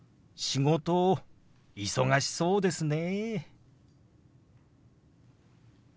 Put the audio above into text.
「仕事忙しそうですね」。